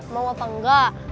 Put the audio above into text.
mau apa enggak